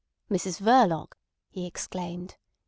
"Mrs Verloc!" he exclaimed.